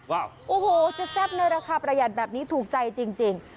ว้าวโอ้โหจะใอ้ไหนราคาประหยัดแบบนี้ถูกใจจริง